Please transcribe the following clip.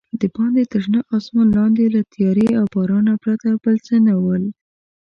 دباندې تر شنه اسمان لاندې له تیارې او بارانه پرته بل څه نه ول.